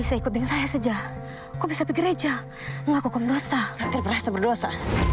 akhirnya terasa berdosa